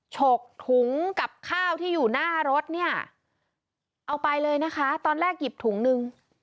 ฉกถุงกับข้าวที่อยู่หน้ารถเนี่ยเอาไปเลยนะคะตอนแรกหยิบถุงนึง